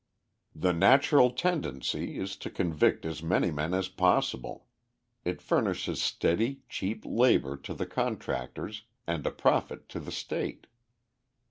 The natural tendency is to convict as many men as possible it furnishes steady, cheap labour to the contractors and a profit to the state.